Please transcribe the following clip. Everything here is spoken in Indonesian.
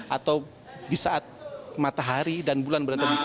atau di saat matahari dan bulan berantem